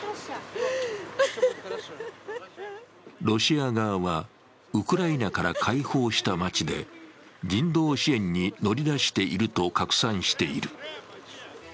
ロシア側はウクライナから解放した街で人道支援に乗り出していると拡散している。